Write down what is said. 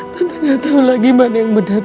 tante gak tahu lagi mana yang benar